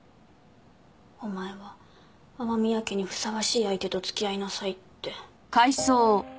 「お前は天宮家にふさわしい相手と付き合いなさい」って。